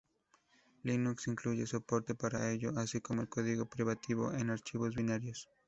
Linux incluye soporte para ello así como el código privativo en archivos binarios.